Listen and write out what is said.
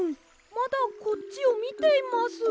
まだこっちをみています。